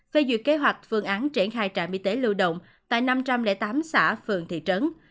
phê duyệt kế hoạch phương án triển khai trạm y tế lưu động tại năm trăm linh tám xã phường thị trấn